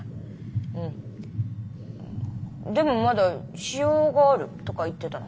うんでもまだ私用があるとか言ってたな。